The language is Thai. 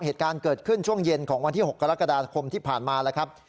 เหตุการณ์เกิดขึ้นช่วงเย็นของวันที่๖กรกฎาคมที่ผ่านมาแล้วครับ